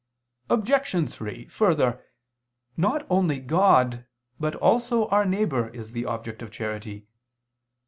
Obj. 3: Further, not only God but also our neighbor is the object of charity.